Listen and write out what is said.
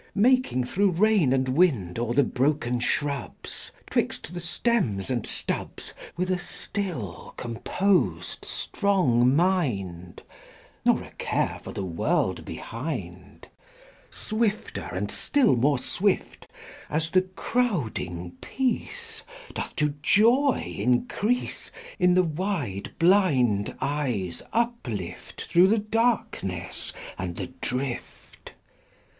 Making thro' rain and wind O'er the broken shrubs, 'Twixt the stems and stubs, With a still, composed, strong mind, Nor a care for the world behind XIX. Swifter and still more swift, As the crowding peace Doth to joy increase In the wide blind eyes uplift Thro' the darkness and the drift!